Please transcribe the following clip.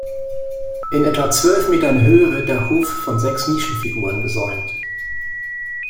In etwa zwölf Metern Höhe wird der Hof von sechs Nischenfiguren gesäumt.